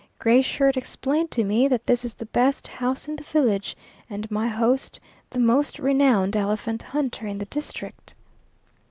Gray Shirt explained to me that this is the best house in the village, and my host the most renowned elephant hunter in the district.